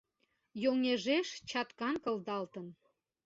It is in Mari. Йоҥежеш чаткан кылдалын;